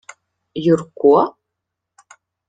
— Юрко?